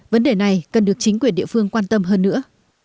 vấn đề này cần được chính quyền địa phương quan tâm hơn nữa